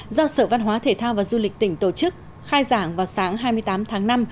do sở văn hóa thể thao và du lịch tỉnh tổ chức khai giảng vào sáng hai mươi tám tháng năm